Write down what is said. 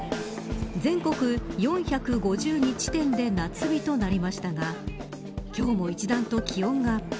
全国４５２地点で夏日となりましたが今日も一段と気温がアップ。